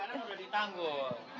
karena sudah ditanggul